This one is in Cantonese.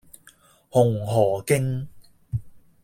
紅荷徑